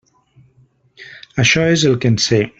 Això és el que en sé.